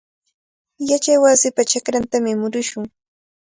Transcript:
Yachaywasipa chakrantami murushun.